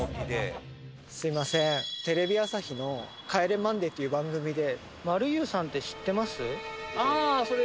すみませんテレビ朝日の『帰れマンデー』という番組で。